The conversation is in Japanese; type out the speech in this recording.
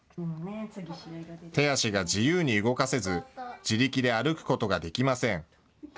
手足が自由に動かせず自力で歩くことができません。